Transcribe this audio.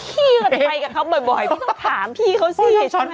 พี่ก็ไปกับเขาบ่อยพี่ก็ถามพี่เขาสิ